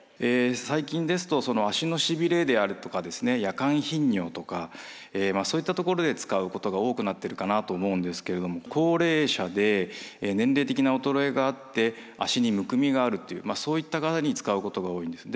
最近ですと足のしびれであるとか夜間頻尿とかそういったところで使うことが多くなってるかなと思うんですけれども高齢者で年齢的な衰えがあって足にむくみがあるというそういった方に使うことが多いんです。